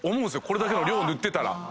これだけの量塗ってたら。